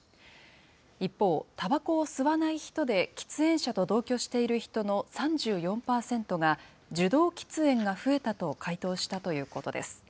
一方、たばこを吸わない人で、喫煙者と同居している人の３４％が、受動喫煙が増えたと回答したということです。